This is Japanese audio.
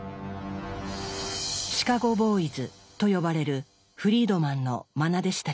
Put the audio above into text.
「シカゴ・ボーイズ」と呼ばれるフリードマンのまな弟子たちです。